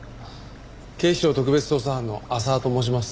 警視庁特別捜査班の浅輪と申します。